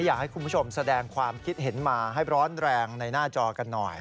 อยากให้คุณผู้ชมแสดงความคิดเห็นมาให้ร้อนแรงในหน้าจอกันหน่อย